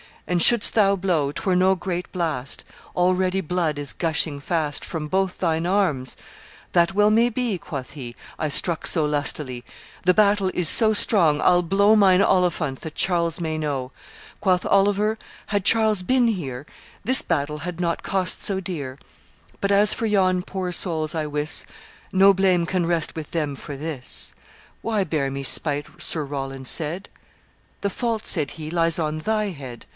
And shouldst thou blow, 'twere no great blast; Already blood is gushing fast From both thine arms.' 'That well may be,' Quoth he, 'I struck so lustily! The battle is too strong: I'll blow Mine Olifant, that Charles may know.' Quoth Oliver, 'Had Charles been here, This battle had not cost so dear; But as for yon poor souls, I wis, No blame can rest with them for this.' 'Why bear me spite?' Sir Roland said. 'The fault,' said he, 'lies on thy head.